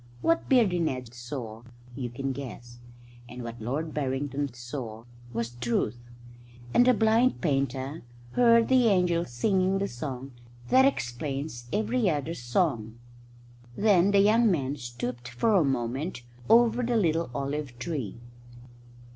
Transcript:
What Beardy Ned saw you can guess, and what Lord Barrington saw was Truth; and the blind painter heard the angels singing the song that explains every other song. Then the young man stooped for a moment over the little olive tree.